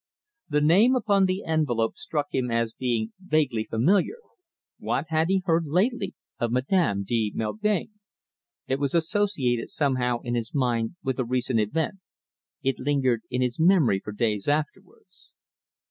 The name upon the envelope struck him as being vaguely familiar; what had he heard lately of Madame de Melbain? It was associated somehow in his mind with a recent event. It lingered in his memory for days afterwards.